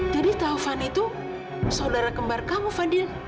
jadi taufan itu saudara kembar kamu fadil